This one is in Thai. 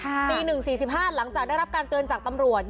แล้วตี๑๔๕ลังจากฟาร์มแล้วถูกตือนจากตำรวจ